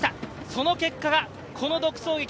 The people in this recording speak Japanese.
その結果が、この独走劇。